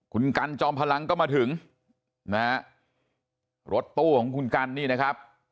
คุณกันจอมพลังก็มาถึงนะฮะรถตู้ของคุณกันนี่นะครับ